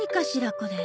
これ。